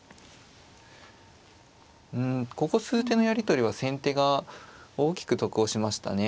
うんここ数手のやり取りは先手が大きく得をしましたね。